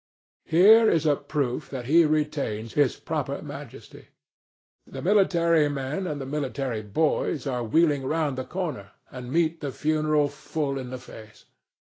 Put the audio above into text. Here is a proof that he retains his proper majesty. The military men and the military boys are wheeling round the corner, and meet the funeral full in the face.